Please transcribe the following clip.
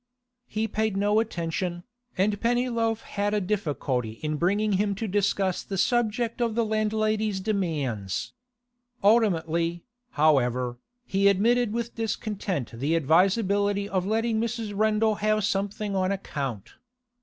He paid no attention, and Pennyloaf had a difficulty in bringing him to discuss the subject of the landlady's demands. Ultimately, however, he admitted with discontent the advisability of letting Mrs. Rendal have something on account.